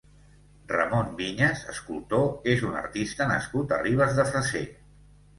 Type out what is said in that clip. Ramon Vinyes (escultor) és un artista nascut a Ribes de Freser.